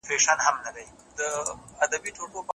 ځم راته یو څوک په انتظار دی بیا به نه وینو